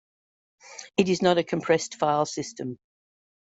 It is not a compressed file system.